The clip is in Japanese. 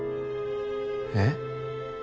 えっ？